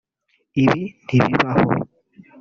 Ibi ntibibaho